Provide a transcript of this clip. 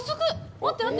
待って待って。